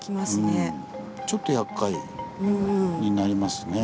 ちょっとやっかいになりますね。